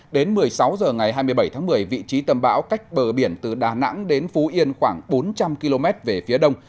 đến một mươi sáu h ngày hai mươi bảy tháng một mươi vị trí tâm bão cách bờ biển từ đà nẵng đến phú yên khoảng bốn trăm linh km về phía đông